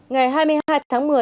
ngày hai mươi hai tháng một mươi